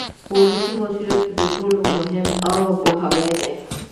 په ولسي مسؤلیت کې تر ټولو مهم عامه پوهاوی دی.